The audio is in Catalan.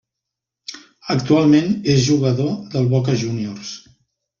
Actualment és jugador del Boca Juniors.